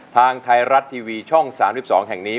ทางไทยรัฐทีวีช่อง๓๒แห่งนี้